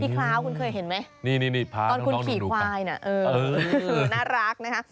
พี่คลาวคุณเคยเห็นไหมตอนคุณขี่ไขวน่ะน่ารักนะคะ